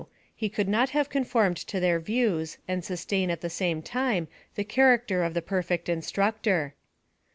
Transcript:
He could not have conformed to their views, and sustain at the same time the character of a perfect instructor.